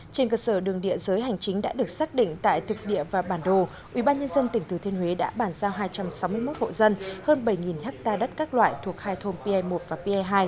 trên cơ sở đường địa giới hành chính đã được xác định tại thực địa và bản đồ ubnd tỉnh thừa thiên huế đã bàn giao hai trăm sáu mươi một hộ dân hơn bảy ha đất các loại thuộc hai thôn pa một và pi hai